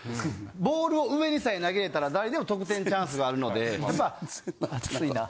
ボールを上にさえ投げれたら誰でも得点チャンスがあるので。